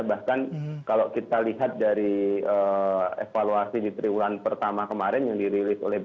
bahkan kalau kita lihat dari evaluasi di triwulan pertama kemarin yang dirilis oleh bp